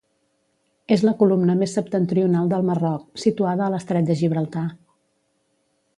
És la comuna més septentrional del Marroc, situada a l'estret de Gibraltar.